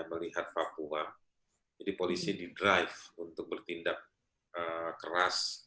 melihat papua jadi polisi didrive untuk bertindak keras